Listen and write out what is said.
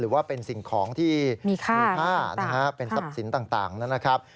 หรือว่าเป็นสิ่งของที่มีค่าเป็นทรัพย์สินต่างนั่นแหละครับ